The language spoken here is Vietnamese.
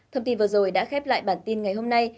thông tin vừa rồi đã khép lại bản tin ngày hôm nay